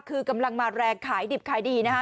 คือกำลังมาแรงขายดิบขายดีนะฮะ